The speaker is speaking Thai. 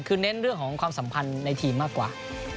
คือเน้นเรื่องของความสัมพันธ์ในทีมมากกว่า